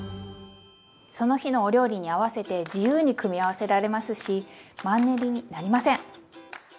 その日のお料理に合わせて自由に組み合わせられますしマンネリになりません！